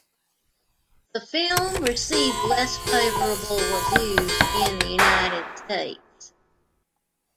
The film received less favourable reviews in the United States.